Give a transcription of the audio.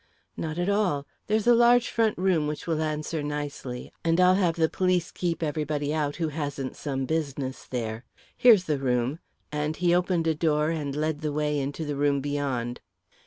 "Not at all. There's a large front room which will answer nicely and I'll have the police keep everybody out who hasn't some business there. Here's the room," and he opened a door and led the way into the room beyond.